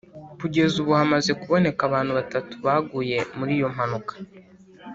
Kugeza ubu hamaze kuboneka abantu batatu baguye muri iyo mpanuka